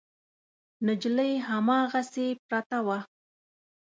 نجلۍ هماغسې پرته وه.